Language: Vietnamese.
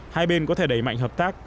hai bên có thể đẩy mạnh hợp tác